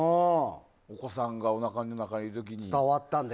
お子さんがおなかの中にいる時に。